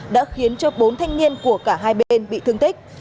đã khiến cho bốn thanh niên của cả hai bên bị thương tích